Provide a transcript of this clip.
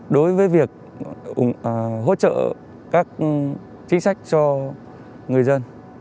đối với việc hỗ trợ các chính sách cho người dân